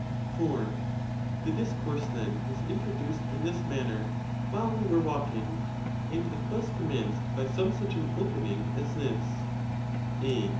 _ IV. The discourse, then, was introduced in this manner _ while we were walking, and it was commenced. by some such an opening as this: A.